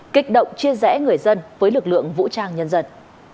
kích động chia rẽ người dân với lực lượng vũ trang nhân dân